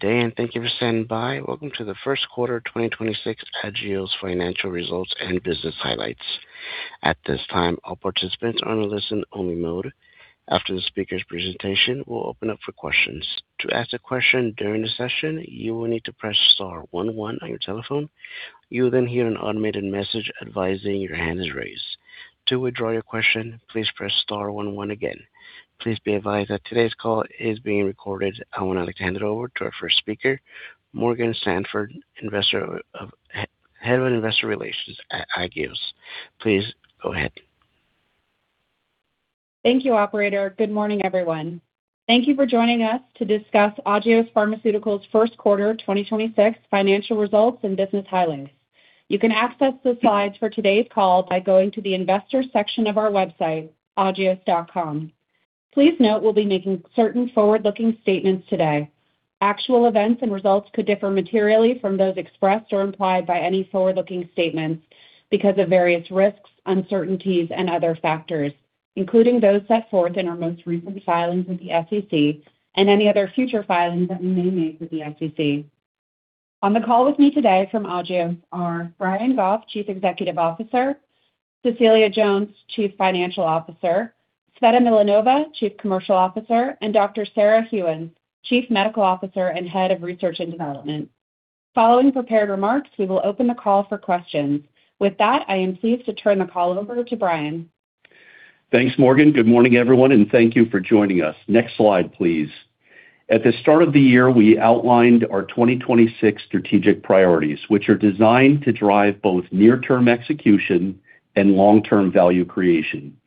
Good day, and thank you for standing by. Welcome to the first quarter 2026 Agios financial results and business highlights. At this time, all participants are on a listen-only mode. After the speaker's presentation, we'll open up for questions. To ask a question during the session, you will need to press star one one on your telephone. Please be advised that today's call is being recorded. I would now like to hand it over to our first speaker, Morgan Sanford, Head of Investor Relations at Agios. Please go ahead. Thank you, operator. Good morning, everyone. Thank you for joining us to discuss Agios Pharmaceuticals' first quarter 2026 financial results and business highlights. You can access the slides for today's call by going to the investor section of our website, agios.com. Please note we'll be making certain forward-looking statements today. Actual events and results could differ materially from those expressed or implied by any forward-looking statements because of various risks, uncertainties, and other factors, including those set forth in our most recent filings with the SEC and any other future filings that we may make with the SEC. On the call with me today from Agios are Brian Goff, Chief Executive Officer; Cecilia Jones, Chief Financial Officer; Tsveta Milanova, Chief Commercial Officer; and Dr. Sarah Gheuens, Chief Medical Officer and Head of Research and Development. Following prepared remarks, we will open the call for questions. With that, I am pleased to turn the call over to Brian Goff. Thanks, Morgan. Good morning, everyone, and thank you for joining us. Next slide, please. At the start of the year, we outlined our 2026 strategic priorities, which are designed to drive both near-term execution and long-term value creation.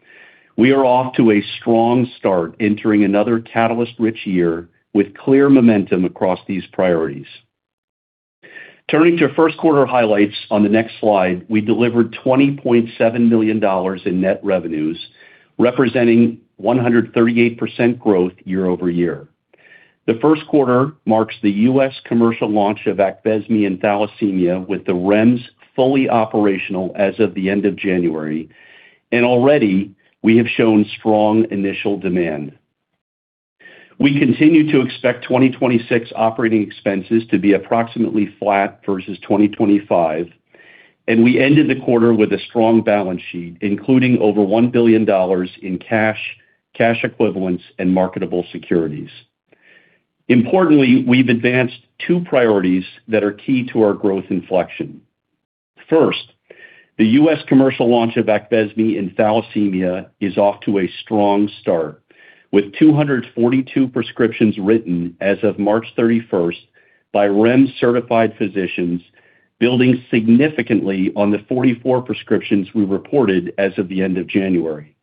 We are off to a strong start entering another catalyst-rich year with clear momentum across these priorities. Turning to first quarter highlights on the next slide, we delivered $20.7 million in net revenues, representing 138% growth year-over-year. The first quarter marks the U.S. commercial launch of AQVESME in thalassemia with the REMS fully operational as of the end of January, and already we have shown strong initial demand. We continue to expect 2026 operating expenses to be approximately flat versus 2025. We ended the quarter with a strong balance sheet, including over $1 billion in cash equivalents, and marketable securities. Importantly, we've advanced two priorities that are key to our growth inflection. First, the U.S. commercial launch of AQVESME in thalassemia is off to a strong start, with 242 prescriptions written as of March 31st by REMS-certified physicians, building significantly on the 44 prescriptions we reported as of the end of January.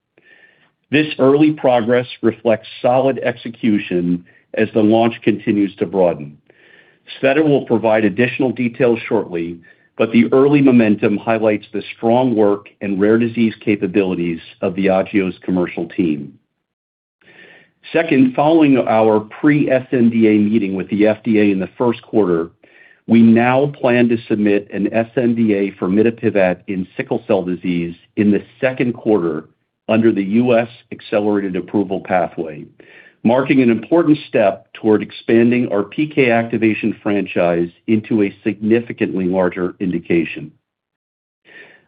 This early progress reflects solid execution as the launch continues to broaden. Tsveta will provide additional details shortly. The early momentum highlights the strong work and rare disease capabilities of the Agios commercial team. Second, following our pre-sNDA meeting with the FDA in the first quarter, we now plan to submit an sNDA for mitapivat in sickle cell disease in the second quarter under the U.S. Accelerated Approval pathway, marking an important step toward expanding our PK activation franchise into a significantly larger indication.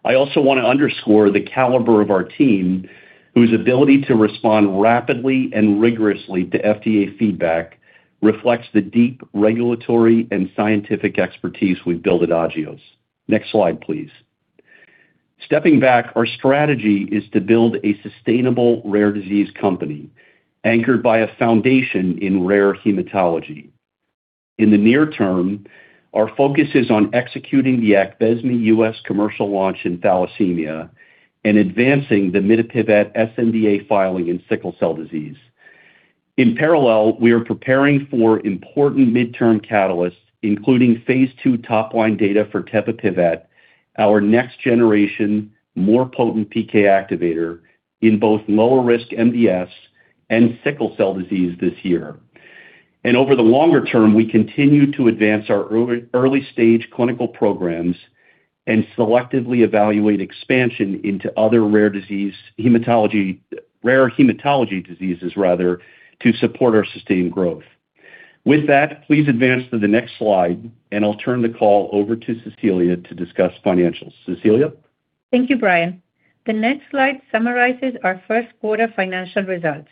I also want to underscore the caliber of our team, whose ability to respond rapidly and rigorously to FDA feedback reflects the deep regulatory and scientific expertise we've built at Agios. Next slide, please. Stepping back, our strategy is to build a sustainable rare disease company anchored by a foundation in rare hematology. In the near term, our focus is on executing the AQVESME U.S. commercial launch in thalassemia and advancing the mitapivat sNDA filing in sickle cell disease. In parallel, we are preparing for important midterm catalysts, including phase II top-line data for tebapivat, our next generation, more potent PK activator in both lower-risk MDS and sickle cell disease this year. Over the longer term, we continue to advance our early-stage clinical programs and selectively evaluate expansion into other rare hematology diseases rather, to support our sustained growth. With that, please advance to the next slide, and I'll turn the call over to Cecilia to discuss financials. Cecilia? Thank you, Brian. The next slide summarizes our first quarter financial results.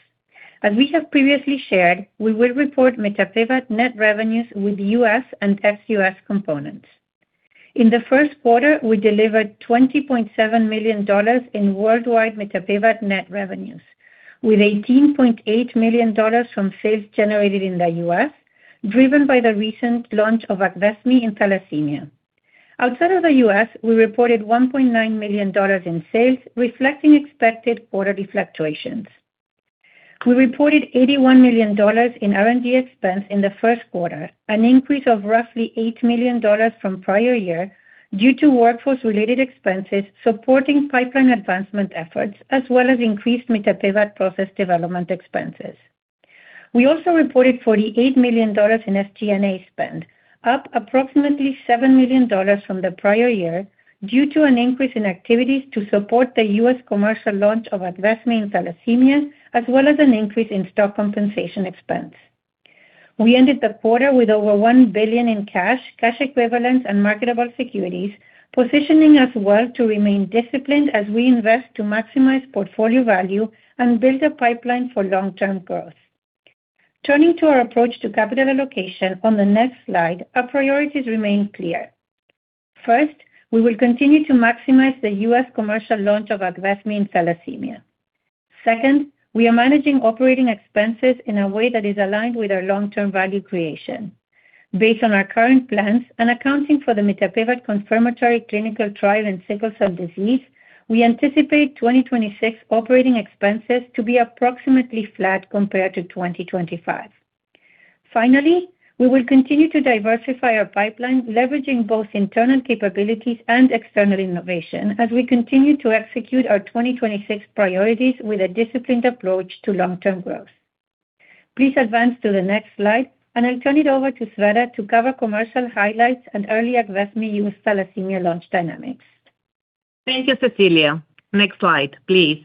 As we have previously shared, we will report mitapivat net revenues with U.S. and ex-U.S. components. In the first quarter, we delivered $20.7 million in worldwide mitapivat net revenues, with $18.8 million from sales generated in the U.S., driven by the recent launch of AQVESME in thalassemia. Outside of the U.S., we reported $1.9 million in sales, reflecting expected quarterly fluctuations. We reported $81 million in R&D expense in the first quarter, an increase of roughly $8 million from prior year due to workforce-related expenses supporting pipeline advancement efforts as well as increased mitapivat process development expenses. We also reported $48 million in SG&A spend, up approximately $7 million from the prior year due to an increase in activities to support the U.S. commercial launch of AQVESME in thalassemia as well as an increase in stock compensation expense. We ended the quarter with over $1 billion in cash equivalents, and marketable securities, positioning us well to remain disciplined as we invest to maximize portfolio value and build a pipeline for long-term growth. Turning to our approach to capital allocation, on the next slide, our priorities remain clear. First, we will continue to maximize the U.S. commercial launch of AQVESME in thalassemia. Second, we are managing operating expenses in a way that is aligned with our long-term value creation. Based on our current plans and accounting for the mitapivat confirmatory clinical trial in sickle cell disease, we anticipate 2026 operating expenses to be approximately flat compared to 2025. We will continue to diversify our pipeline, leveraging both internal capabilities and external innovation as we continue to execute our 2026 priorities with a disciplined approach to long-term growth. Please advance to the next slide, and I'll turn it over to Tsveta to cover commercial highlights and early AQVESME used thalassemia launch dynamics. Thank you, Cecilia. Next slide, please.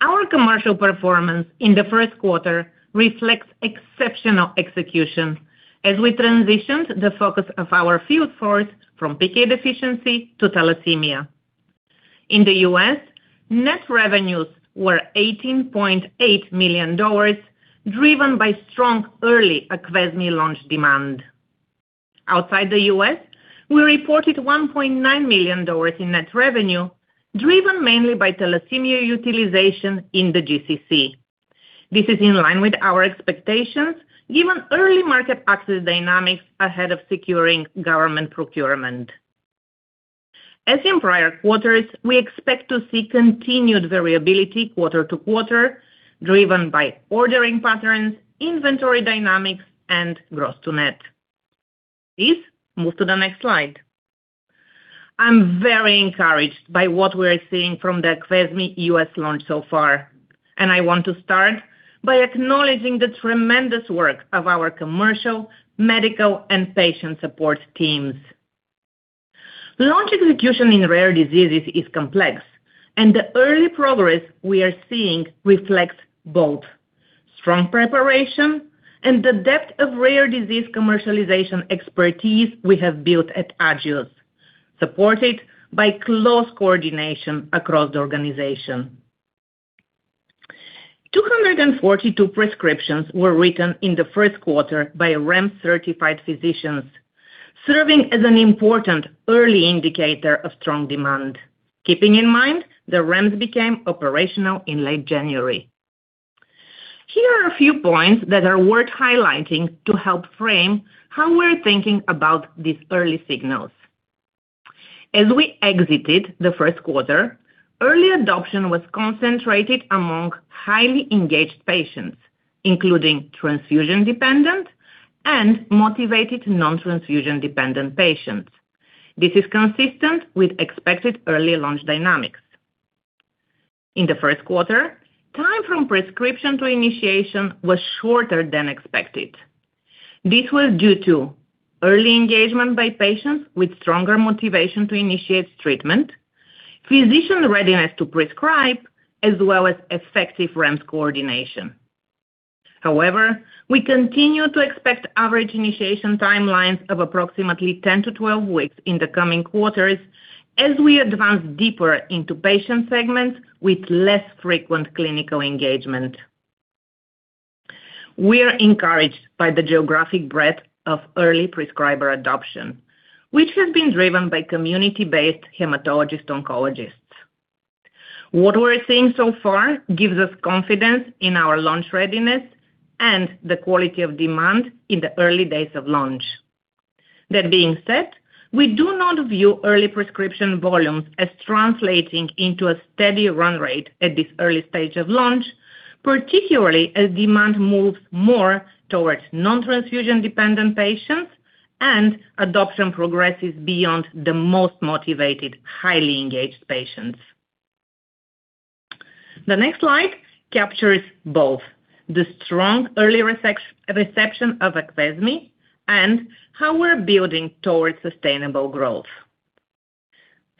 Our commercial performance in the first quarter reflects exceptional execution as we transitioned the focus of our field force from PK deficiency to thalassemia. In the U.S., net revenues were $18.8 million, driven by strong early AQVESME launch demand. Outside the U.S., we reported $1.9 million in net revenue, driven mainly by thalassemia utilization in the GCC. This is in line with our expectations, given early market access dynamics ahead of securing government procurement. As in prior quarters, we expect to see continued variability quarter-to-quarter, driven by ordering patterns, inventory dynamics, and Gross-to-Net. Please move to the next slide. I'm very encouraged by what we are seeing from the AQVESME U.S. launch so far, and I want to start by acknowledging the tremendous work of our commercial, medical, and patient support teams. Launch execution in rare diseases is complex, and the early progress we are seeing reflects both strong preparation and the depth of rare disease commercialization expertise we have built at Agios, supported by close coordination across the organization. 242 prescriptions were written in the first quarter by REMS-certified physicians, serving as an important early indicator of strong demand. Keeping in mind, the REMS became operational in late January. Here are a few points that are worth highlighting to help frame how we're thinking about these early signals. As we exited the first quarter, early adoption was concentrated among highly engaged patients, including transfusion-dependent and motivated non-transfusion-dependent patients. This is consistent with expected early launch dynamics. In the first quarter, time from prescription to initiation was shorter than expected. This was due to early engagement by patients with stronger motivation to initiate treatment, physician readiness to prescribe, as well as effective REMS coordination. However, we continue to expect average initiation timelines of approximately 10 weeks-12 weeks in the coming quarters as we advance deeper into patient segments with less frequent clinical engagement. We are encouraged by the geographic breadth of early prescriber adoption, which has been driven by community-based hematologist-oncologists. What we're seeing so far gives us confidence in our launch readiness and the quality of demand in the early days of launch. That being said, we do not view early prescription volumes as translating into a steady run rate at this early stage of launch, particularly as demand moves more towards non-transfusion-dependent patients and adoption progresses beyond the most motivated, highly engaged patients. The next slide captures both the strong early reception of AQVESME and how we're building towards sustainable growth.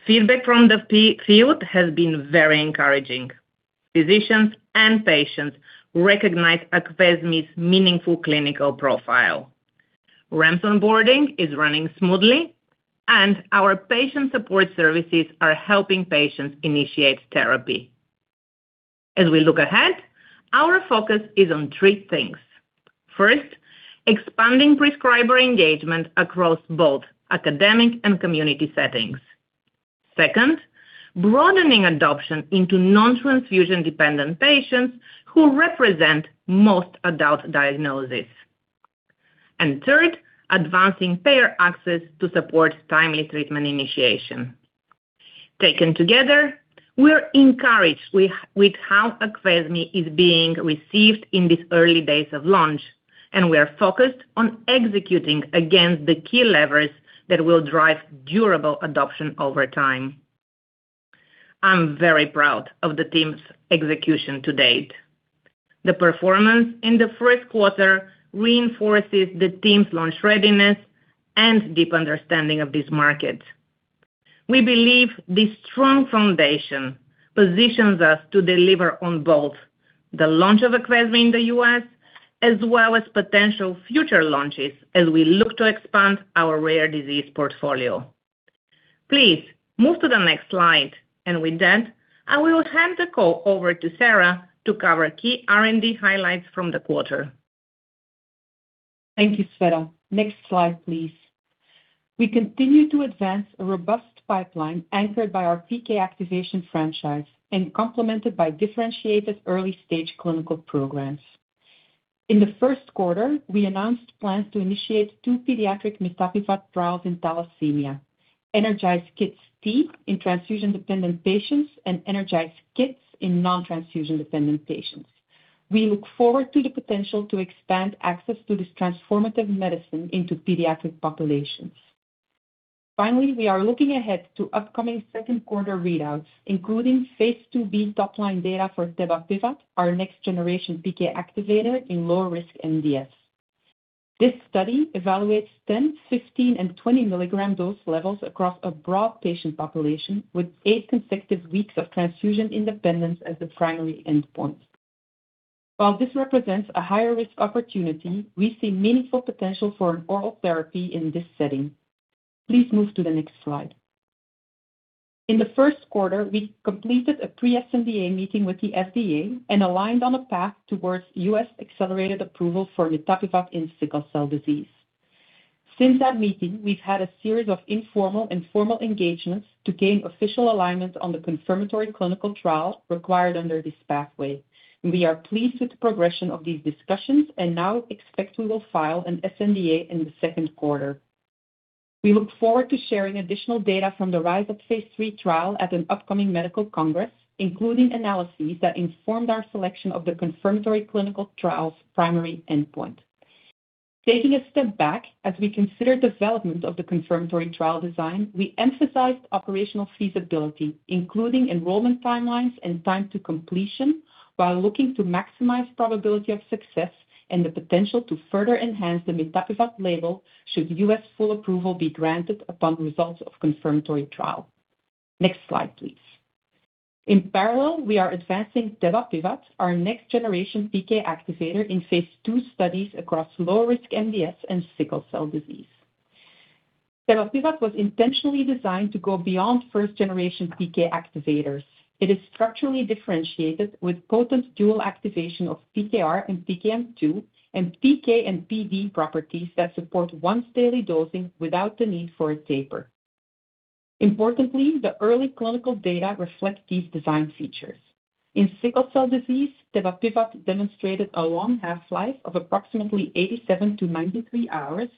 Feedback from the field has been very encouraging. Physicians and patients recognize AQVESME's meaningful clinical profile. REMS onboarding is running smoothly, and our patient support services are helping patients initiate therapy. As we look ahead, our focus is on three things. First, expanding prescriber engagement across both academic and community settings. Second, broadening adoption into non-transfusion-dependent patients who represent most adult diagnoses. Third, advancing payer access to support timely treatment initiation. Taken together, we're encouraged with how AQVESME is being received in these early days of launch, and we are focused on executing against the key levers that will drive durable adoption over time. I'm very proud of the team's execution to date. The performance in the first quarter reinforces the team's launch readiness and deep understanding of this market. We believe this strong foundation positions us to deliver on both the launch of AQVESME in the U.S. as well as potential future launches as we look to expand our rare disease portfolio. Please move to the next slide. With that, I will hand the call over to Sarah to cover key R&D highlights from the quarter. Thank you, Tsveta. Next slide, please. We continue to advance a robust pipeline anchored by our PK activation franchise and complemented by differentiated early-stage clinical programs. In the first quarter, we announced plans to initiate two pediatric mitapivat trials in thalassemia, ENERGIZE Kids T in transfusion-dependent patients and ENERGIZE Kids in non-transfusion dependent patients. We look forward to the potential to expand access to this transformative medicine into pediatric populations. We are looking ahead to upcoming second quarter readouts, including phase II-B top-line data for tebapivat, our next-generation PK activator in lower risk MDS. This study evaluates 10 mg, 15 mg, and 20 mg dose levels across a broad patient population with eight consecutive weeks of transfusion independence as the primary endpoint. While this represents a higher risk opportunity, we see meaningful potential for an oral therapy in this setting. Please move to the next slide. In the first quarter, we completed a pre-sNDA meeting with the FDA and aligned on a path towards U.S. Accelerated Approval for mitapivat in sickle cell disease. Since that meeting, we've had a series of informal and formal engagements to gain official alignment on the confirmatory clinical trial required under this pathway. We are pleased with the progression of these discussions and now expect we will file an sNDA in the second quarter. We look forward to sharing additional data from the RISE UP phase III trial at an upcoming medical congress, including analyses that informed our selection of the confirmatory clinical trial's primary endpoint. Taking a step back, as we consider development of the confirmatory trial design, we emphasized operational feasibility, including enrollment timelines and time to completion while looking to maximize probability of success and the potential to further enhance the mitapivat label should U.S. full approval be granted upon results of confirmatory trial. Next slide, please. In parallel, we are advancing tebapivat, our next-generation PK activator in phase II studies across low-risk MDS and sickle cell disease. Tebapivat was intentionally designed to go beyond first generation PK activators. It is structurally differentiated with potent dual activation of PKR and PKM2 and PK and PD properties that support once daily dosing without the need for a taper. Importantly, the early clinical data reflect these design features. In sickle cell disease, tebapivat demonstrated a long half-life of approximately 87 hours-93 hours.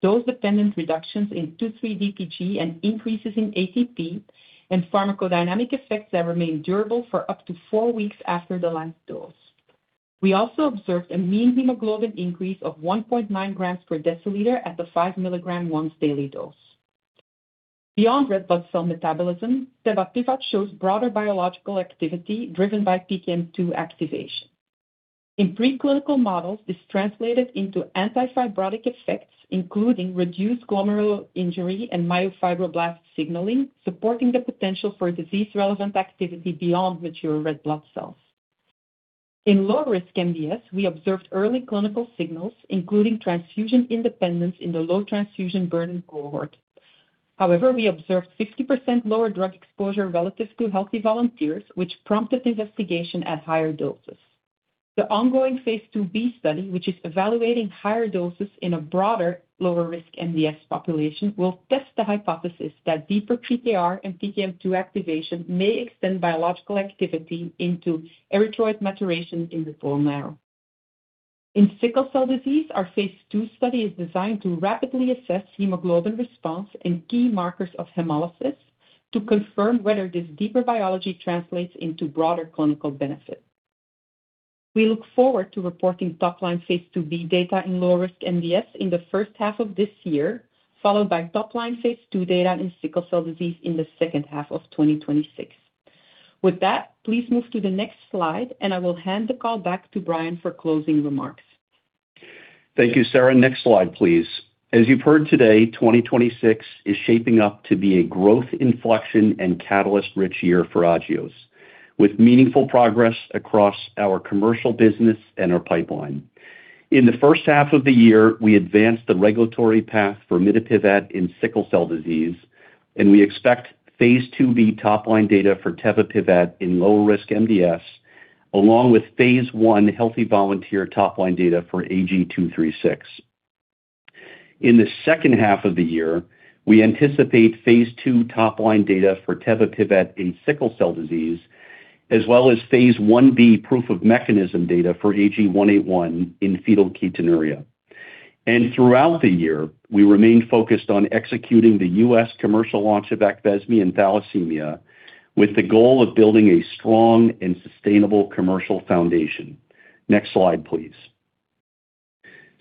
Those dependent reductions in 2,3-DPG and increases in ATP and pharmacodynamic effects that remain durable for up to 4 weeks after the last dose. We also observed a mean hemoglobin increase of 1.9 grams per deciliter at the 5 mg once daily dose. Beyond red blood cell metabolism, tebapivat shows broader biological activity driven by PKM2 activation. In preclinical models, this translated into anti-fibrotic effects, including reduced glomerular injury and myofibroblast signaling, supporting the potential for disease-relevant activity beyond mature red blood cells. In low-risk MDS, we observed early clinical signals, including transfusion independence in the low transfusion burden cohort. However, we observed 50% lower drug exposure relative to healthy volunteers, which prompted investigation at higher doses. The ongoing phase II-B study, which is evaluating higher doses in a broader lower risk MDS population, will test the hypothesis that deeper PKR and PKM2 activation may extend biological activity into erythroid maturation in the bone marrow. In sickle cell disease, our phase II study is designed to rapidly assess hemoglobin response and key markers of hemolysis to confirm whether this deeper biology translates into broader clinical benefit. We look forward to reporting top-line phase II-B data in lower risk MDS in the first half of this year, followed by top-line phase II data in sickle cell disease in the second half of 2026. Please move to the next slide, and I will hand the call back to Brian for closing remarks. Thank you, Sarah. Next slide, please. As you've heard today, 2026 is shaping up to be a growth inflection and catalyst-rich year for Agios, with meaningful progress across our commercial business and our pipeline. In the first half of the year, we advanced the regulatory path for mitapivat in sickle cell disease. We expect phase II-B top-line data for tebapivat in lower risk MDS, along with phase I healthy volunteer top-line data for AG-236. In the second half of the year, we anticipate phase II top-line data for tebapivat in sickle cell disease, as well as phase I-B proof of mechanism data for AG-181 in phenylketonuria. Throughout the year, we remain focused on executing the U.S. commercial launch of AQVESME in thalassemia with the goal of building a strong and sustainable commercial foundation. Next slide, please.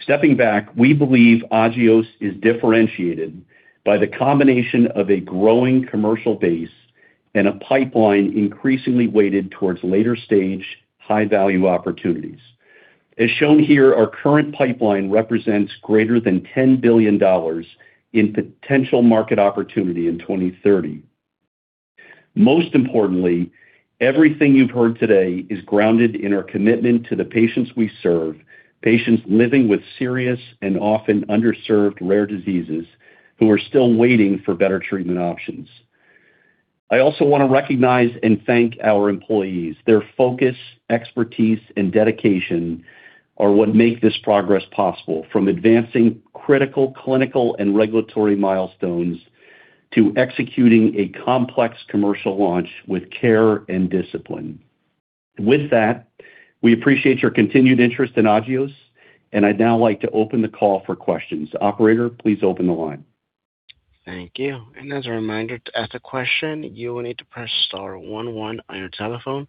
Stepping back, we believe Agios is differentiated by the combination of a growing commercial base and a pipeline increasingly weighted towards later-stage high-value opportunities. As shown here, our current pipeline represents greater than $10 billion in potential market opportunity in 2030. Most importantly, everything you've heard today is grounded in our commitment to the patients we serve, patients living with serious and often underserved rare diseases who are still waiting for better treatment options. I also want to recognize and thank our employees. Their focus, expertise, and dedication are what make this progress possible. From advancing critical clinical and regulatory milestones to executing a complex commercial launch with care and discipline. With that, we appreciate your continued interest in Agios, and I'd now like to open the call for questions. Operator, please open the line. Thank you. As a reminder, to ask a question, you will need to press star one one on your telephone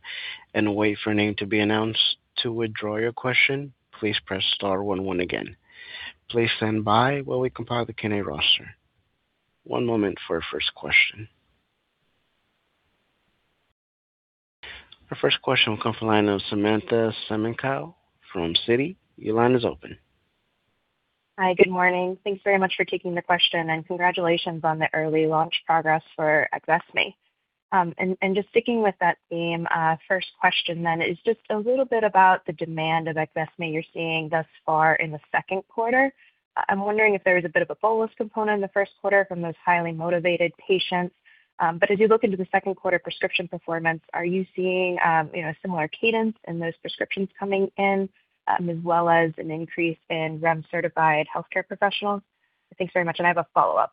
and wait for a name to be announced. To withdraw your question, please press star one one again. Please stand by while we compile the connect roster. One moment for our first question. Our first question will come from line of Samantha Semenkow from Citi. Your line is open. Hi. Good morning. Thanks very much for taking the question, and congratulations on the early launch progress for AQVESME. Just sticking with that theme, first question then is just a little bit about the demand of AQVESME you're seeing thus far in the second quarter. I'm wondering if there was a bit of a bonus component in the first quarter from those highly motivated patients. As you look into the second quarter prescription performance, are you seeing similar cadence in those prescriptions coming in, as well as an increase in REMS-certified healthcare professionals? Thanks very much, and I have a follow-up.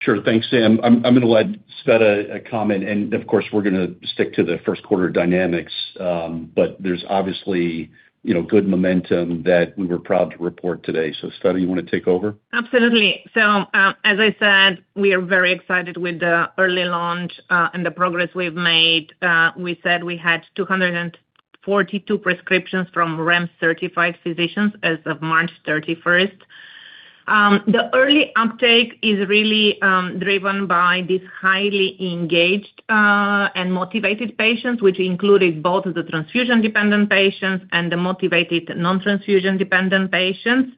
Sure. Thanks, Sam. I'm gonna let Tsveta comment, and of course, we're gonna stick to the first quarter dynamics. There's obviously, you know, good momentum that we were proud to report today. Tsveta, you wanna take over? Absolutely. As I said, we are very excited with the early launch and the progress we've made. We said we had 242 prescriptions from REMS-certified physicians as of March 31st. The early uptake is really driven by these highly engaged and motivated patients, which included both the transfusion-dependent patients and the motivated non-transfusion dependent patients.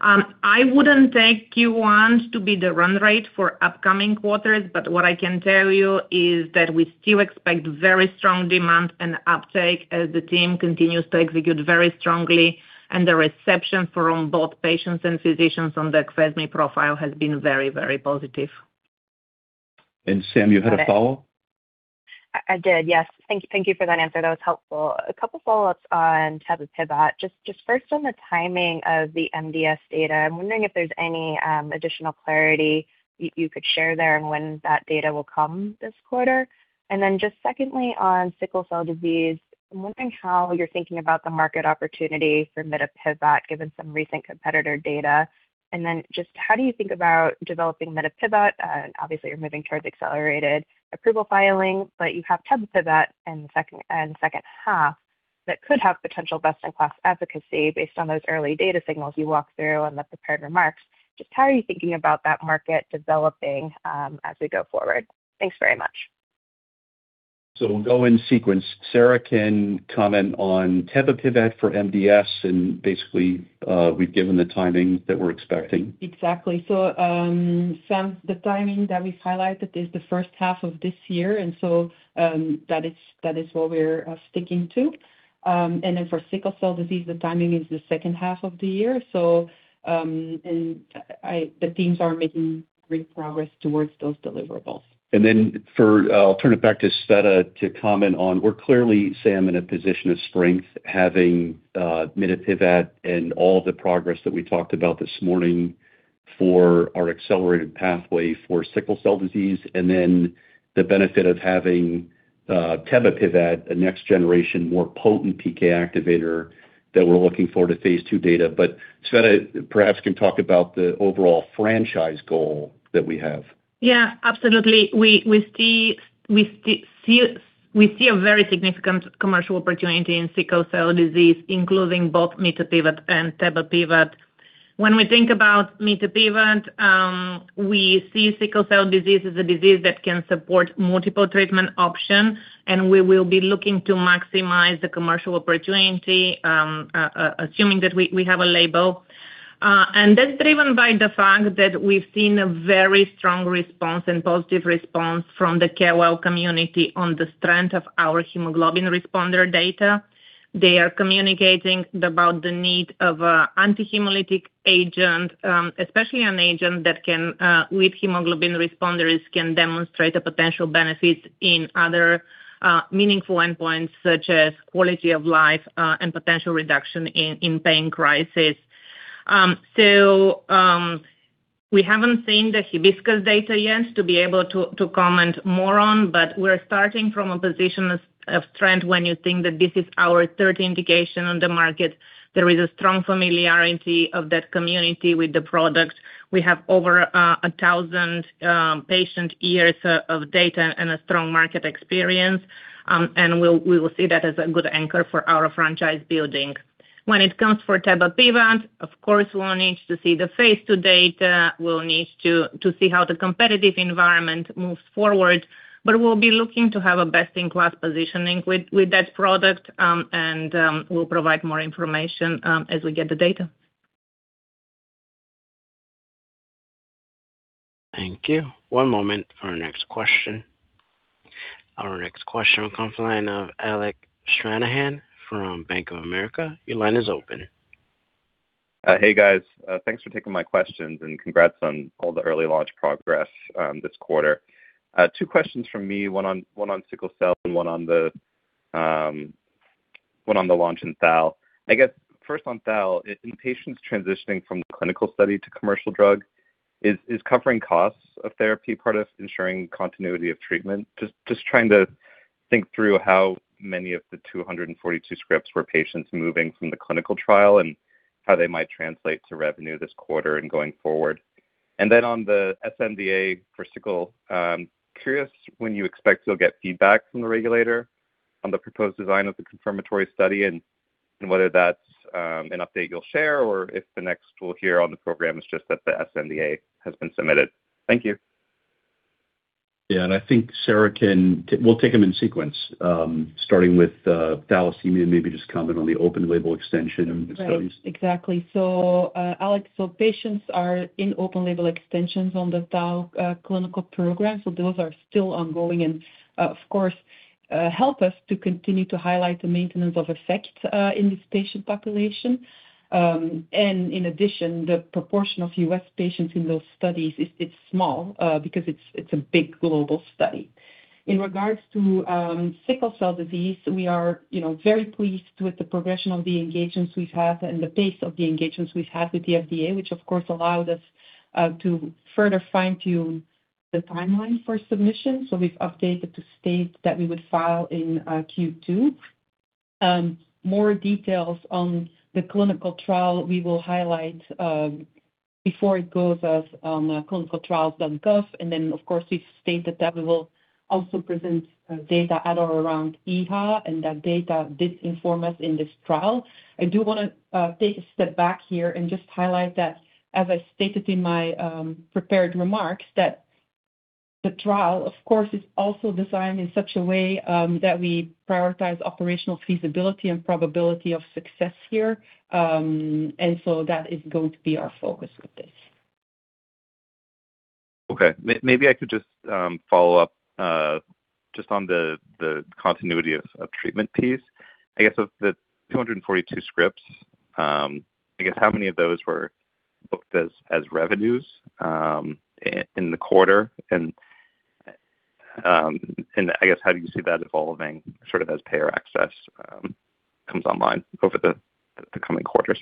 I wouldn't take Q1 to be the run rate for upcoming quarters, but what I can tell you is that we still expect very strong demand and uptake as the team continues to execute very strongly. The reception from both patients and physicians on the AQVESME profile has been very, very positive. Sam, you had a follow? I did, yes. Thank you for that answer. That was helpful. A couple follow-ups on tebapivat. Just first on the timing of the MDS data, I'm wondering if there's any additional clarity you could share there and when that data will come this quarter. Just secondly, on sickle cell disease, I'm wondering how you're thinking about the market opportunity for mitapivat, given some recent competitor data. Just how do you think about developing mitapivat? Obviously, you're moving towards Accelerated Approval filing, but you have tebapivat in the second half that could have potential best-in-class efficacy based on those early data signals you walked through in the prepared remarks. Just how are you thinking about that market developing as we go forward? Thanks very much. We'll go in sequence. Sarah can comment on tebapivat for MDS, and basically, we've given the timing that we're expecting. Exactly. Sam, the timing that we've highlighted is the first half of this year. That is, that is what we're sticking to. For sickle cell disease, the timing is the second half of the year. The teams are making great progress towards those deliverables. I'll turn it back to Tsveta to comment on. We're clearly, Sam, in a position of strength having mitapivat and all the progress that we talked about this morning for our accelerated pathway for sickle cell disease, and then the benefit of having tebapivat, a next generation, more potent PK activator that we're looking forward to phase II data. Tsveta perhaps can talk about the overall franchise goal that we have. Yeah, absolutely. We see a very significant commercial opportunity in sickle cell disease, including both mitapivat and tebapivat. When we think about mitapivat, we see sickle cell disease as a disease that can support multiple treatment options, and we will be looking to maximize the commercial opportunity, assuming that we have a label. That's driven by the fact that we've seen a very strong response and positive response from the caregiver community on the strength of our hemoglobin responder data. They are communicating about the need of anti-hemolytic agent, especially an agent that can, with hemoglobin responders, can demonstrate a potential benefit in other meaningful endpoints such as quality of life, and potential reduction in pain crisis. We haven't seen the HIBISCUS data yet to be able to comment more on, but we're starting from a position of strength when you think that this is our third indication on the market. There is a strong familiarity of that community with the product. We have over 1,000 patient years of data and a strong market experience. We will see that as a good anchor for our franchise building. When it comes for tebapivat, of course, we'll need to see the phase II data. We'll need to see how the competitive environment moves forward. We'll be looking to have a best-in-class positioning with that product, and we'll provide more information as we get the data. Thank you. One moment for our next question. Our next question comes from the line of Alec Stranahan from Bank of America. Your line is open. Hey, guys. Thanks for taking my questions, and congrats on all the early launch progress this quarter. Two questions from me, one on sickle cell and one on the launch in THAL. I guess, first on THAL, in patients transitioning from clinical study to commercial drug, is covering costs of therapy part of ensuring continuity of treatment? Just trying to think through how many of the 242 scripts were patients moving from the clinical trial and how they might translate to revenue this quarter and going forward. On the sNDA for sickle, curious when you expect to get feedback from the regulator on the proposed design of the confirmatory study, and whether that's an update you'll share or if the next we'll hear on the program is just that the sNDA has been submitted. Thank you. Yeah, i think Sarah can-,we'll take them in sequence. Starting with thalassemia, maybe just comment on the Open-Label Extension and studies. Right. Exactly. Alec, patients are in open label extensions on the THAL clinical program, those are still ongoing and, of course, help us to continue to highlight the maintenance of effect in this patient population. In addition, the proportion of U.S. patients in those studies is small because it's a big global study. In regards to sickle cell disease, we are, you know, very pleased with the progression of the engagements we've had and the pace of the engagements we've had with the FDA, which of course, allowed us to further fine-tune the timeline for submission. We've updated to state that we would file in Q2. More details on the clinical trial we will highlight before it goes as clinicaltrials.gov. Of course, we've stated that we will also present data at or around EHA, and that data did inform us in this trial. I do wanna take a step back here and just highlight that as I stated in my prepared remarks that the trial, of course, is also designed in such a way that we prioritize operational feasibility and probability of success here. That is going to be our focus with this. Okay. Maybe I could just follow up just on the continuity of treatment piece. I guess of the 242 scripts, I guess how many of those were booked as revenues in the quarter? I guess how do you see that evolving sort of as payer access comes online over the coming quarters?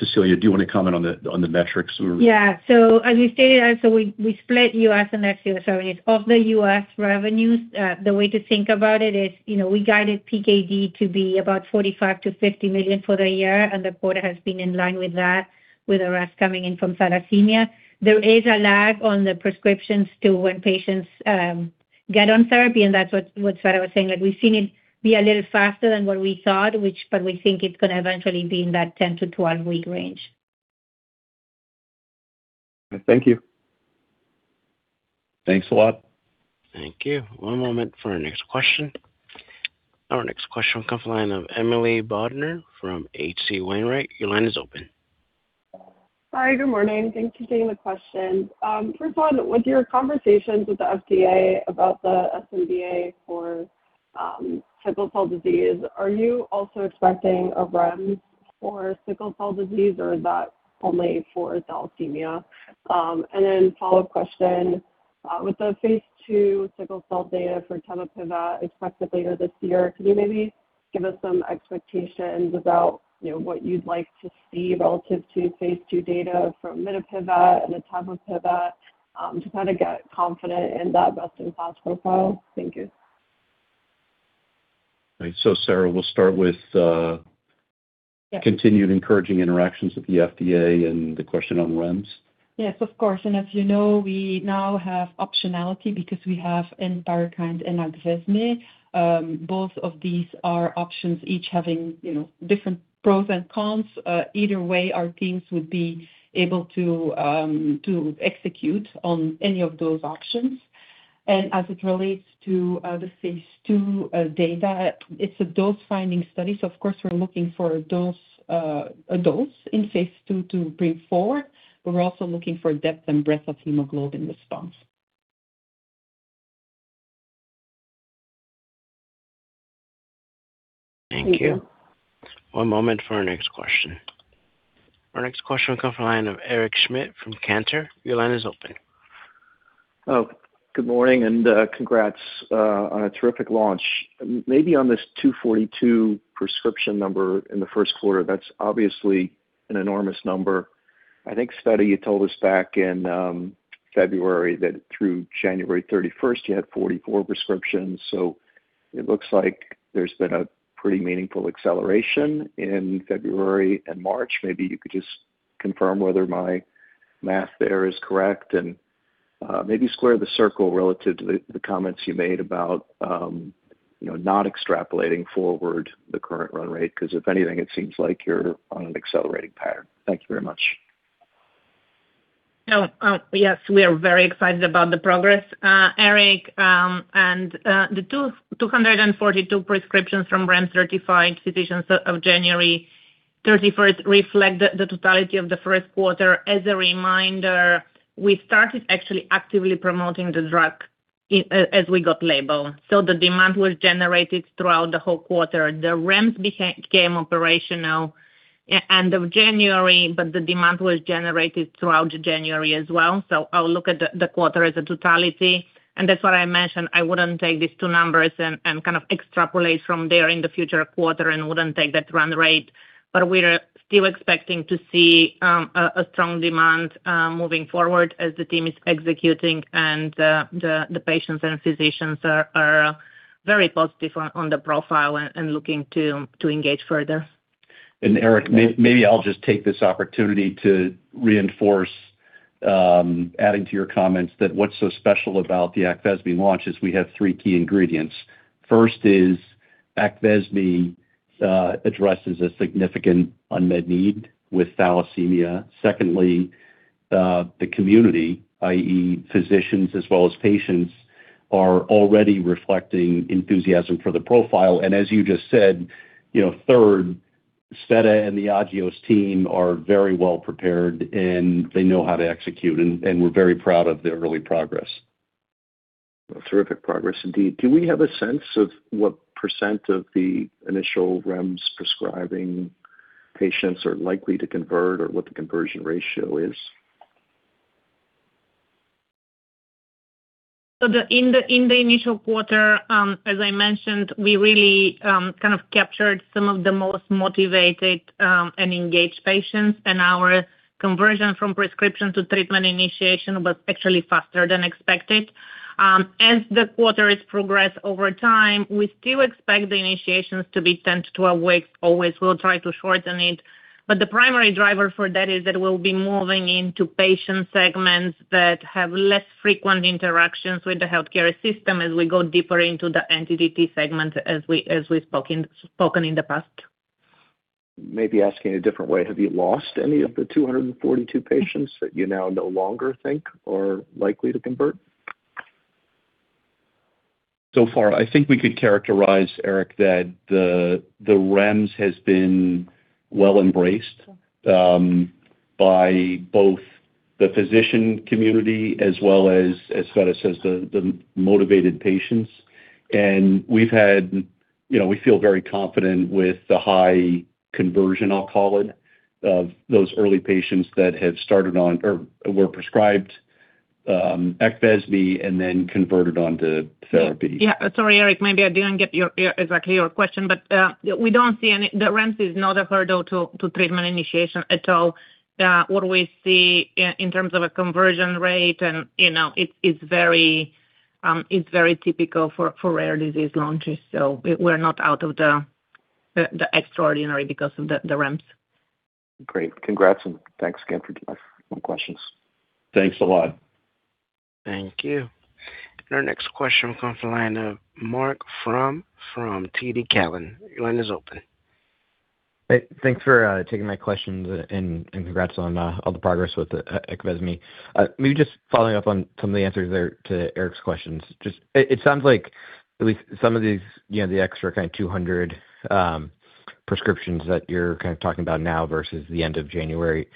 Cecilia, do you want to comment on the metrics or? Yeah, as we stated, we split U.S. and ex-U.S. It's of the U.S. revenues. The way to think about it is, you know, we guided PKD to be about $45 million-$50 million for the year, and the quarter has been in line with that, with the rest coming in for thalassemia. There is a lag on the prescriptions to when patients get on therapy, and that's what Sarah was saying. Like, we've seen it be a little faster than we thought, which we think it's going to eventually be in that 10 week-12 week range. Thank you. Thanks a lot. Thank you. One moment for our next question. Our next question comes from the line of Emily Bodnar from H.C. Wainwright. Your line is open. Hi, good morning. Thanks for taking the question. First one, with your conversations with the FDA about the sNDA for sickle cell disease, are you also expecting a REMS for sickle cell disease or is that only for thalassemia? Follow-up question, with the phase II sickle cell data for tebapivat expected later this year, could you maybe give us some expectations about, you know, what you'd like to see relative to phase II data from mitapivat and tebapivat, to kinda get confident in that best-in-class profile? Thank you. Sarah, we'll start with. Yeah. ...continued encouraging interactions with the FDA and the question on REMS. Yes, of course. As you know, we now have optionality because we have Endari and AQVESME. Both of these are options, each having, you know, different pros and cons. Either way, our teams would be able to execute on any of those options. As it relates to the phase II data, it's a dose-finding study. Of course, we're looking for a dose in phase II to bring forward. We're also looking for depth and breadth of hemoglobin response. Thank you. One moment for our next question. Our next question will come from the line of Eric Schmidt from Cantor. Your line is open. Good morning, congrats on a terrific launch. Maybe on this 242 prescription number in the first quarter, that's obviously an enormous number. I think, Tsveta Milanova, you told us back in February that through January 31st, you had 44 prescriptions. It looks like there's been a pretty meaningful acceleration in February and March. Maybe you could just confirm whether my math there is correct and maybe square the circle relative to the comments you made about, you know, not extrapolating forward the current run rate, 'cause if anything, it seems like you're on an accelerating pattern. Thank you very much. Yes, we are very excited about the progress, Eric. The 242 prescriptions from REMS-certified physicians of January 31st reflect the totality of the first quarter. As a reminder, we started actually actively promoting the drug as we got label. The demand was generated throughout the whole quarter. The REMS became operational end of January, the demand was generated throughout January as well. I'll look at the quarter as a totality. That's what I mentioned, I wouldn't take these two numbers and kind of extrapolate from there in the future quarter and wouldn't take that run rate. We are still expecting to see a strong demand moving forward as the team is executing and the patients and physicians are very positive on the profile and looking to engage further. Eric, maybe I'll just take this opportunity to reinforce, adding to your comments that what's so special about the AQVESME launch is we have three key ingredients. First is AQVESME addresses a significant unmet need with thalassemia. Secondly, the community, i.e., physicians as well as patients, are already reflecting enthusiasm for the profile. As you just said, you know, third, Tsveta and the Agios team are very well prepared, and they know how to execute, and we're very proud of their early progress. Terrific progress indeed. Do we have a sense of what percent of the initial REMS prescribing patients are likely to convert or what the conversion ratio is? The, in the, in the initial quarter, as I mentioned, we really kind of captured some of the most motivated and engaged patients, and our conversion from prescription to treatment initiation was actually faster than expected. As the quarter is progressed over time, we still expect the initiations to be 10 weeks-12 weeks. Always we'll try to shorten it. The primary driver for that is that we'll be moving into patient segments that have less frequent interactions with the healthcare system as we go deeper into the NTDT segment as we, as we've spoken in the past. Maybe asking a different way, have you lost any of the 242 patients that you now no longer think are likely to convert? So far, I think we could characterize, Eric, that the REMS has been well embraced by both the physician community as well as Tsveta says, the motivated patients. We've had, you know, we feel very confident with the high conversion, I'll call it, of those early patients that have started on or were prescribed AQVESME and then converted onto therapy. Yeah. Sorry, Eric, maybe I didn't get your exact question. The REMS is not a hurdle to treatment initiation at all. What we see in terms of a conversion rate and, you know, it is very typical for rare disease launches. We're not out of the extraordinary because of the REMS. Great. Congrats and thanks again for taking my questions. Thanks a lot. Thank you. Our next question will come from the line of Marc Frahm from TD Cowen. Your line is open. Hey, thanks for taking my questions and congrats on all the progress with AQVESME. Maybe just following up on some of the answers there to Eric's questions. It sounds like at least some of these, you know, the extra kind of 200 prescriptions that you're kind of talking about now versus the end of January,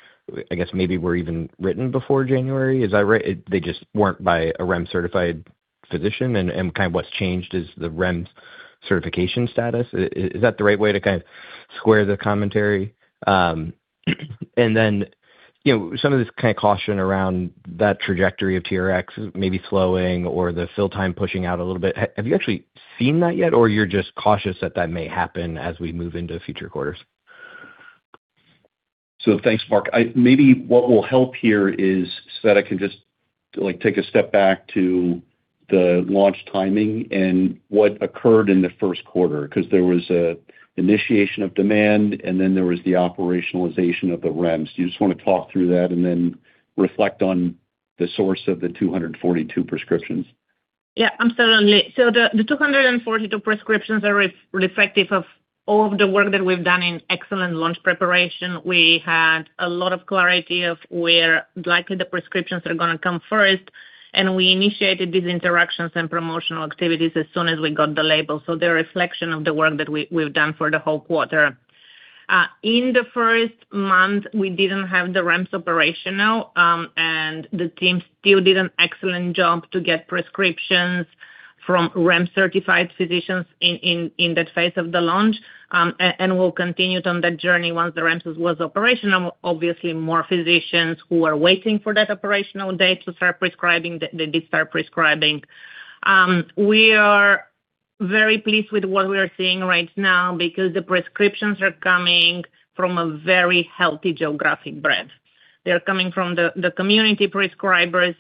I guess maybe were even written before January. Is that right? They just weren't by a REMS-certified physician and kind of what's changed is the REMS certification status. Is that the right way to kind of square the commentary? You know, some of this kind of caution around that trajectory of TRx maybe slowing or the fill time pushing out a little bit. Have you actually seen that yet or you're just cautious that that may happen as we move into future quarters? Thanks, Marc. Maybe what will help here is Tsveta Milanova can just, like, take a step back to the launch timing and what occurred in the first quarter. 'Cause there was a initiation of demand and then there was the operationalization of the REMS. Do you just wanna talk through that and then reflect on the source of the 242 prescriptions? Yeah, absolutely. The 242 prescriptions are re-reflective of all of the work that we've done in excellent launch preparation. We had a lot of clarity of where likely the prescriptions are gonna come first, and we initiated these interactions and promotional activities as soon as we got the label. They're a reflection of the work that we've done for the whole quarter. In the first month, we didn't have the REMS operational, and the team still did an excellent job to get prescriptions from REMS-certified physicians in that phase of the launch. And we'll continue on that journey once the REMS was operational. Obviously, more physicians who are waiting for that operational date to start prescribing, they did start prescribing. We are very pleased with what we are seeing right now because the prescriptions are coming from a very healthy geographic breadth. They're coming from the community prescribers,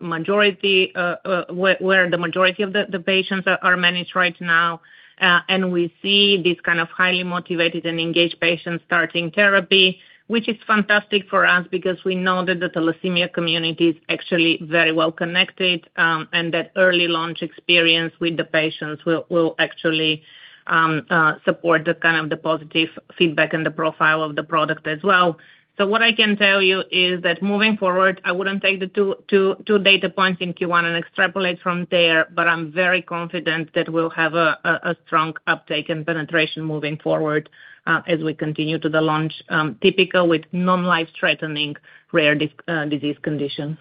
majority where the majority of the patients are managed right now. We see these kind of highly motivated and engaged patients starting therapy, which is fantastic for us because we know that the thalassemia community is actually very well connected, and that early launch experience with the patients will actually support the kind of the positive feedback and the profile of the product as well. What I can tell you is that moving forward, I wouldn't take the two data points in Q1 and extrapolate from there, but I'm very confident that we'll have a strong uptake and penetration moving forward, as we continue to the launch, typical with non-life-threatening rare disease conditions.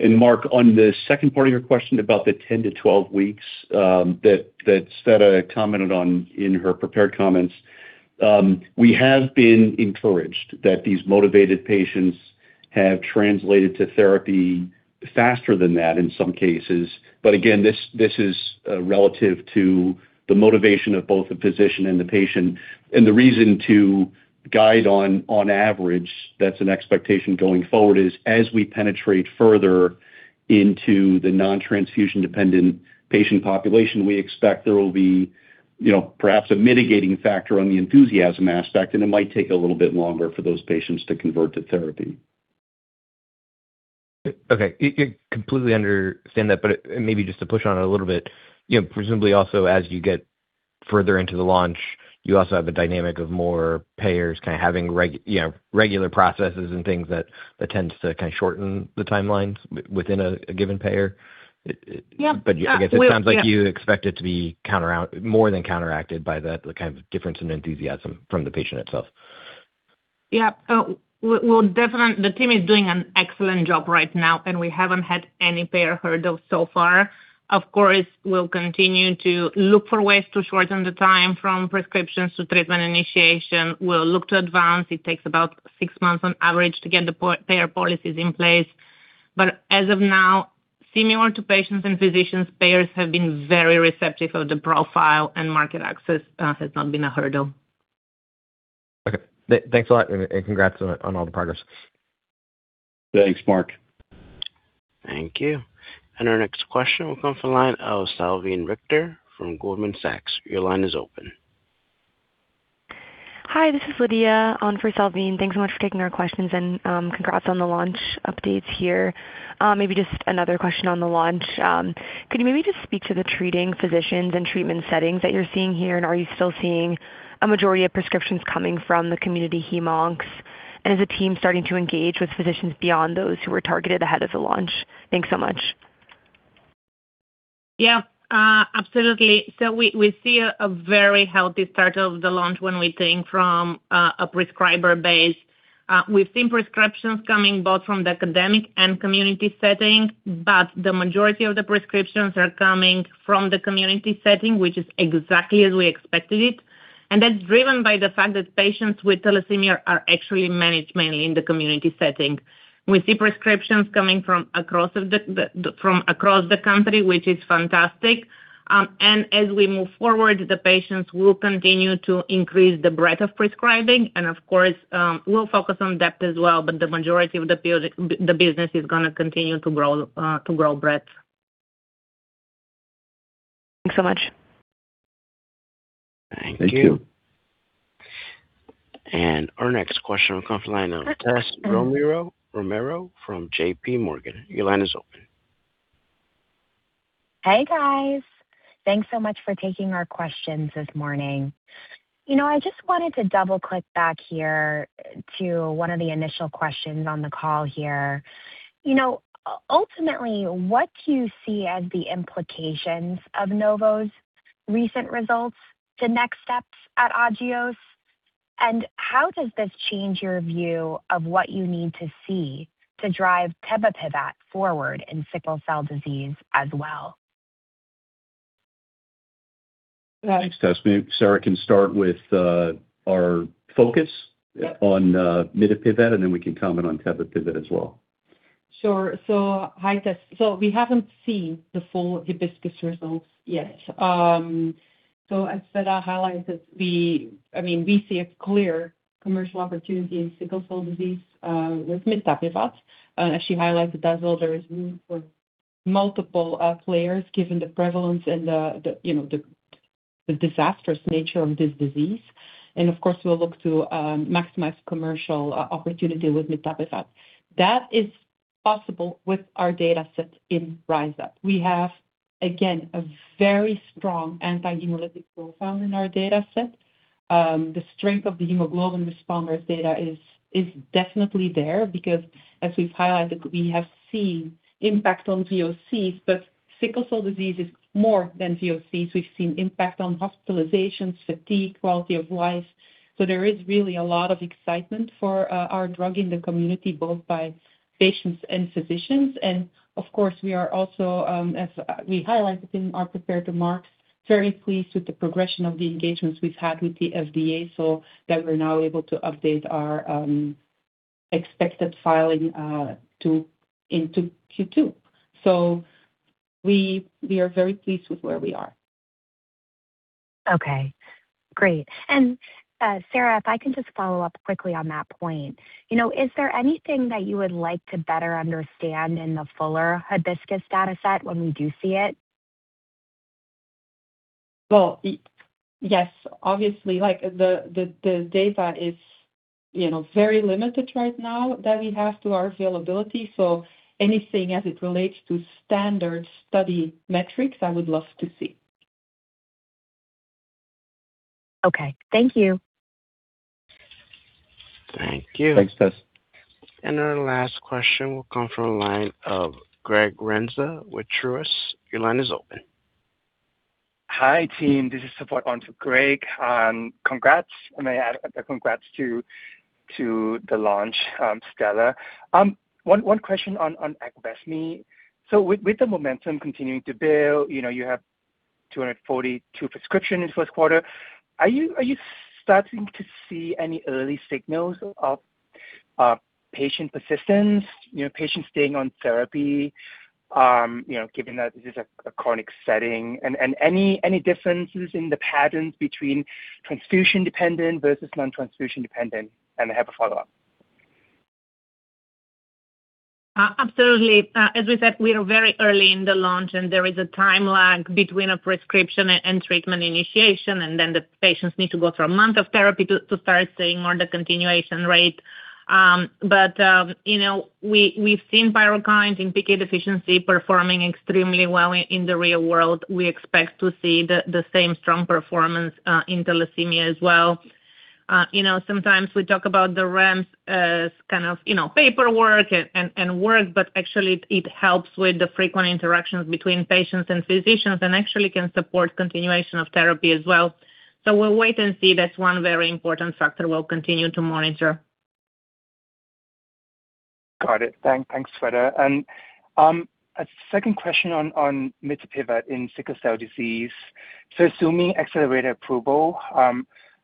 Marc, on the second part of your question about the 10 weeks-12 weeks, that Tsveta commented on in her prepared comments, we have been encouraged that these motivated patients have translated to therapy faster than that in some cases. Again, this is relative to the motivation of both the physician and the patient. The reason to guide on average, that's an expectation going forward, is as we penetrate further into the non-transfusion-dependent patient population, we expect there will be, you know, perhaps a mitigating factor on the enthusiasm aspect, and it might take a little bit longer for those patients to convert to therapy. Okay. Completely understand that. Maybe just to push on it a little bit. You know, presumably also as you get further into the launch, you also have a dynamic of more payers kind of having regular processes and things that tends to kind of shorten the timelines within a given payer. Yeah. I guess it sounds like you expect it to be more than counteracted by the kind of difference in enthusiasm from the patient itself. Yeah. Definitely the team is doing an excellent job right now, and we haven't had any payer hurdle so far. Of course, we'll continue to look for ways to shorten the time from prescriptions to treatment initiation. We'll look to advance. It takes about 6 months on average to get the payer policies in place. As of now, similar to patients and physicians, payers have been very receptive of the profile and market access has not been a hurdle. Okay. Thanks a lot and congrats on all the progress. Thanks, Marc. Thank you. Our next question will come from the line of Salveen Richter from Goldman Sachs. Your line is open. Hi, this is Lydia on for Salveen Richter. Thanks so much for taking our questions and congrats on the launch updates here. Maybe just another question on the launch. Could you maybe just speak to the treating physicians and treatment settings that you're seeing here? Are you still seeing a majority of prescriptions coming from the community hem-oncs? Is the team starting to engage with physicians beyond those who were targeted ahead of the launch? Thanks so much. Absolutely. We see a very healthy start of the launch when we think from a prescriber base. We've seen prescriptions coming both from the academic and community setting, but the majority of the prescriptions are coming from the community setting, which is exactly as we expected it. That's driven by the fact that patients with thalassemia are actually managed mainly in the community setting. We see prescriptions coming from across the country, which is fantastic. As we move forward, the patients will continue to increase the breadth of prescribing. Of course, we'll focus on depth as well, but the majority of the business is gonna continue to grow breadth. Thanks so much. Thank you. Thank you. Our next question will come from the line of Tess Romero from JPMorgan. Your line is open. Hey, guys. Thanks so much for taking our questions this morning. You know, I just wanted to double-click back here to one of the initial questions on the call here. You know, ultimately, what do you see as the implications of Novo's recent results, the next steps at Agios, and how does this change your view of what you need to see to drive tebapivat forward in sickle cell disease as well? Right. Thanks, Tess. Maybe Sarah can start with our focus. Yep. -on, mitapivat, and then we can comment on tebapivat as well. Sure. Hi, Tess. We haven't seen the full Hibiscus results yet. As Tsveta Milanova highlighted, I mean, we see a clear commercial opportunity in sickle cell disease with mitapivat. As she highlighted as well, there is room for multiple players given the prevalence and the, you know, the disastrous nature of this disease. Of course, we'll look to maximize commercial opportunity with mitapivat. That is possible with our data set in Rise Up. We have, again, a very strong anti-hemolytic profile in our data set. The strength of the hemoglobin responders data is definitely there because as we've highlighted, we have seen impact on VOCs, but sickle cell disease is more than VOCs. We've seen impact on hospitalizations, fatigue, quality of life. There is really a lot of excitement for our drug in the community, both by patients and physicians. Of course, we are also as we highlighted in our prepared remarks, very pleased with the progression of the engagements we've had with the FDA so that we're now able to update our expected filing to into Q2. We are very pleased with where we are. Okay, great. Sarah, if I can just follow up quickly on that point. You know, is there anything that you would like to better understand in the fuller HIBISCUS dataset when we do see it? Well, yes. Obviously, like, the data is, you know, very limited right now that we have to our availability. Anything as it relates to standard study metrics, I would love to see. Okay. Thank you. Thank you. Thanks, Tess. Our last question will come from the line of Greg Renza with Truist. Your line is open. Hi, team. This is [inaudible] on to Greg. Congrats. May I add a congrats to the launch, Tsveta Milanova. One question on AQVESME. With the momentum continuing to build, you know, you have 242 prescription in first quarter, are you starting to see any early signals of patient persistence? You know, patients staying on therapy, you know, given that this is a chronic setting. Any differences in the patterns between transfusion-dependent versus non-transfusion dependent? I have a follow-up. Absolutely. As we said, we are very early in the launch, and there is a time lag between a prescription and treatment initiation, and then the patients need to go through a month of therapy to start seeing more of the continuation rate. You know, we've seen PYRUKYND in PK deficiency performing extremely well in the real world. We expect to see the same strong performance in thalassemia as well. You know, sometimes we talk about the ramps as kind of, you know, paperwork and work, but actually it helps with the frequent interactions between patients and physicians and actually can support continuation of therapy as well. We'll wait and see. That's one very important factor we'll continue to monitor. Got it. Thanks, Tsveta. A second question on mitapivat in sickle cell disease. Assuming Accelerated Approval,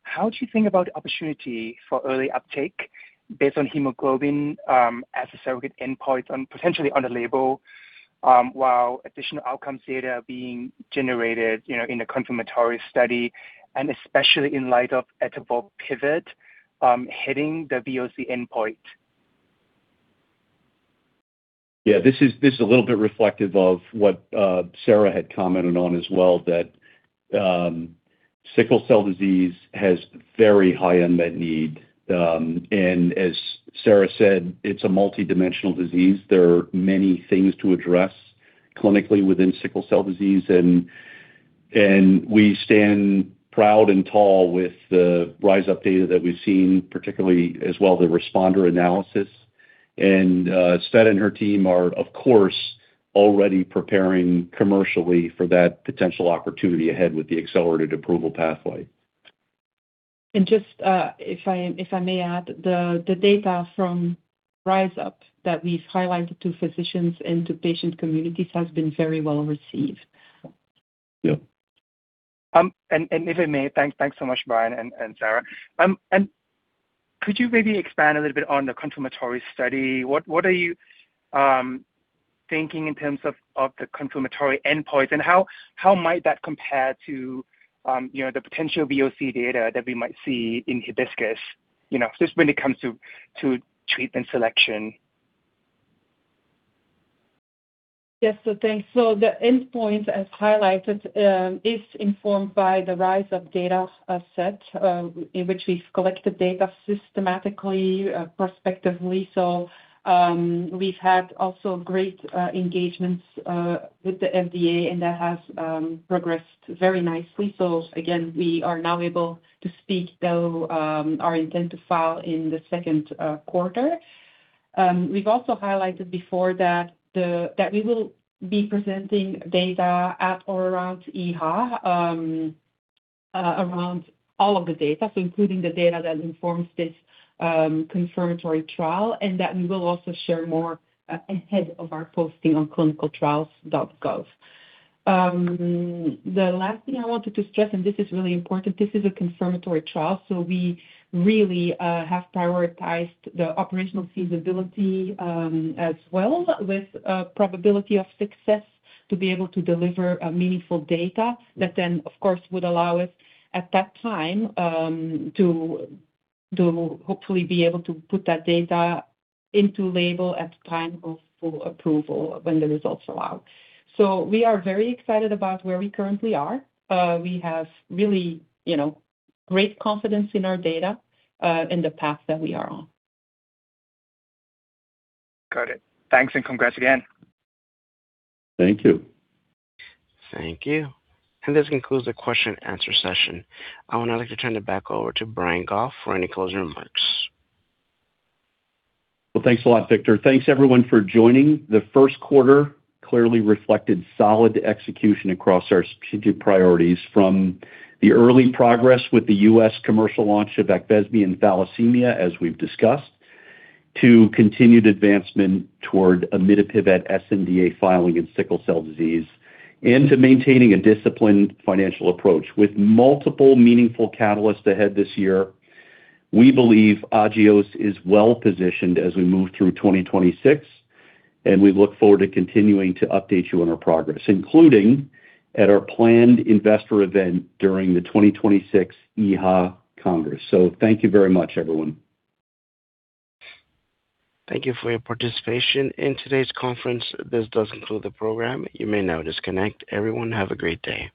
how do you think about the opportunity for early uptake based on hemoglobin as a surrogate endpoint on potentially on the label, while additional outcomes data are being generated, you know, in a confirmatory study, and especially in light of etavopivat hitting the VOC endpoint? Yeah. This is a little bit reflective of what Sarah had commented on as well, that sickle cell disease has very high unmet need. As Sarah said, it's a multidimensional disease. There are many things to address clinically within sickle cell disease. We stand proud and tall with the RISE UP data that we've seen, particularly as well the responder analysis. Tsveta and her team are, of course, already preparing commercially for that potential opportunity ahead with the Accelerated Approval pathway. Just, if I may add, the data from RISE UP that we've highlighted to physicians and to patient communities has been very well received. Yeah. And if I may, thanks so much, Brian and Sarah. Could you maybe expand a little bit on the confirmatory study? What are you thinking in terms of the confirmatory endpoints, and how might that compare to, you know, the potential VOC data that we might see in HIBISCUS? You know, just when it comes to treatment selection. Yes. Thanks. The endpoint, as highlighted, is informed by the RISE UP data set, in which we've collected data systematically, prospectively. We've had also great engagements with the FDA, and that has progressed very nicely. Again, we are now able to speak, though, our intent to file in the second quarter. We've also highlighted before that we will be presenting data at or around EHA around all of the data, so including the data that informs this confirmatory trial, and that we will also share more ahead of our posting on clinicaltrials.gov. The last thing I wanted to stress, and this is really important, this is a confirmatory trial, so we really have prioritized the operational feasibility as well with probability of success to be able to deliver meaningful data that then, of course, would allow us, at that time, to hopefully be able to put that data into label at the time of full approval when the results allow. We are very excited about where we currently are. We have really, you know, great confidence in our data and the path that we are on. Got it. Thanks and congrats again. Thank you. Thank you. This concludes the question and answer session. I would now like to turn it back over to Brian Goff for any closing remarks. Well, thanks a lot, Victor. Thanks everyone for joining. The first quarter clearly reflected solid execution across our strategic priorities, from the early progress with the U.S. commercial launch of AQVESME and thalassemia, as we've discussed, to continued advancement toward mitapivat sNDA filing in sickle cell disease, and to maintaining a disciplined financial approach. With multiple meaningful catalysts ahead this year, we believe Agios is well-positioned as we move through 2026, and we look forward to continuing to update you on our progress, including at our planned investor event during the 2026 EHA Congress. Thank you very much, everyone. Thank you for your participation in today's conference. This does conclude the program. You may now disconnect. Everyone, have a great day.